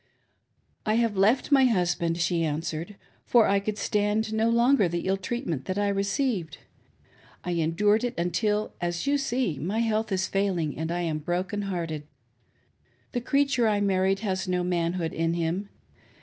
" I have left my husband," she answered, " for I could stan4 no longer the ill treatment that I received. I endured it until, as you see, my health is failing and I am broken hearted. The creature I married has no manhood in him.